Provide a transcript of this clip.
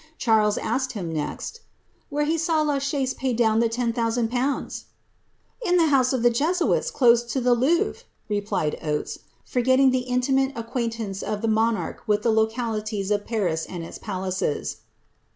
;> Charles asked him next, ^ Where he saw La Chabe pay down the 10,000/. ?''^ In the house of the Jesuits, close to the Louvre," replied Oates, forgetting the intimate acquaintance of the monarch with the localities of Paris and its palaces.